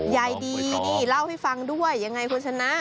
ยายดีนี่เล่าให้ฟังด้วยยังไงคุณชนะ